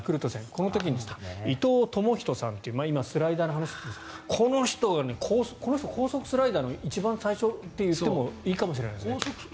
この時、伊藤智仁さんという今、スライダーの話をしましたがこの人高速スライダーの一番最初の人と言ってもいいかもしれないですね。